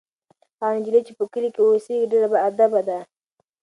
هغه نجلۍ چې په کلي کې اوسیږي ډېره باادبه ده.